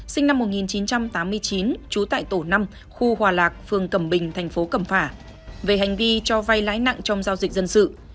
sinh năm một nghìn chín trăm tám mươi chín trú tại tổ năm khu hòa lạc phường cẩm bình thành phố cẩm phả về hành vi cho vay lãi nặng trong giao dịch dân sự